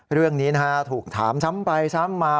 เรื่องนี้นะฮะถูกถามซ้ำไปซ้ำมา